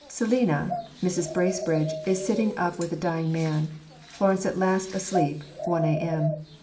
"Selina [Mrs. Bracebridge] is sitting up with a dying man. Florence at last asleep, 1 A.M."